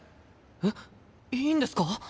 えっいいんですか？